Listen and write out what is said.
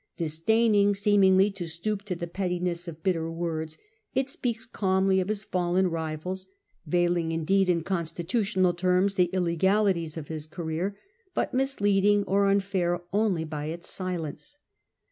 Disdaining seemingly to stoop to the pettiness of bitter words, it speaks calmly of his fallen rivals; veiling, indeed, in constitutional tenns the illegalities of his career, but misleading or unfair only by its silence.